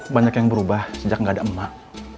banyak yang berubah sejak gak ada emak